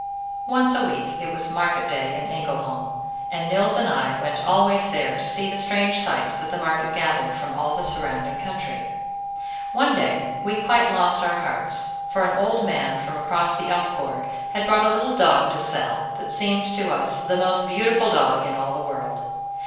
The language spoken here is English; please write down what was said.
"Once a week it was market day in Engelholm, and Nils and I went always there to see the strange sights that the market gathered from all the surrounding country. One day we quite lost our hearts, for an old man from across the Elfborg had brought a little dog to sell, that seemed to us the most beautiful dog in all the world.